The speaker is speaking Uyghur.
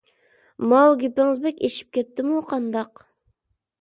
ماۋۇ گېپىڭىز بەك ئېشىپ كەتتىمۇ قانداق؟